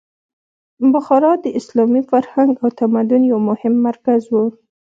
بخارا د اسلامي فرهنګ او تمدن یو مهم مرکز و.